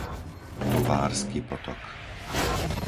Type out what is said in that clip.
Tovársky potok